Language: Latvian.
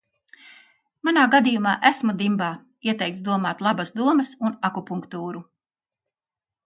Manā gadījumā, esmu dimbā, ieteikts domāt labas domas un akupunktūru.